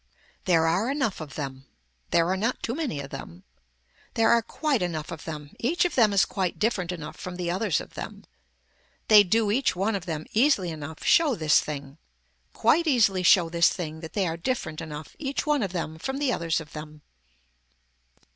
There are enough of them. There are not too many of them. There are quite enough of them. Each of them is quite different enough from the others of them. They do each one of them easily enough show this thing, quite easily show this thing that they are different enough each one of them from the others of them.